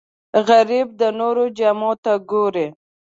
غریب د نورو جامو ته ګوري